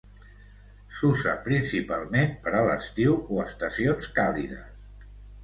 S'usa principalment per a l'estiu o estacions càlides.